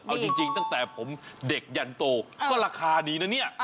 เอาจริงตั้งแต่ผมเด็กยันโตก็ราคาดีนะเนี่ย